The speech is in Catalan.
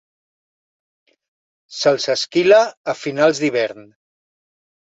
Se'ls esquila a finals d'hivern.